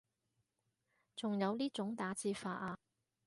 仲有呢種打字法啊